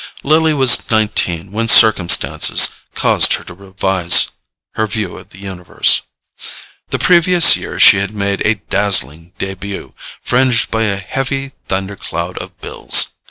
Lily was nineteen when circumstances caused her to revise her view of the universe. The previous year she had made a dazzling debut fringed by a heavy thunder cloud of bills.